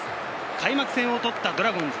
開幕戦をとったドラゴンズ。